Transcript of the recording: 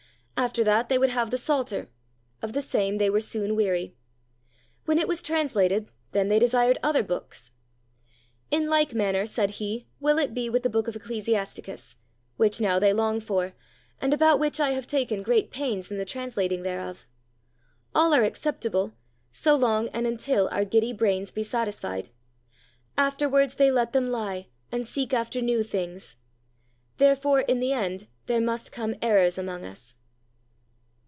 After that they would have the Psalter; of the same they were soon weary; when it was translated, then they desired other books. In like manner, said he, will it be with the Book of Ecclesiasticus, which they now long for, and about which I have taken great pains in the translating thereof. All are acceptable, so long and until our giddy brains be satisfied; afterwards they let them lie, and seek after new things; therefore in the end there must come errors among us.